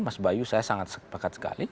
mas bayu saya sangat sepakat sekali